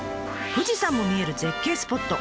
富士山も見える絶景スポット。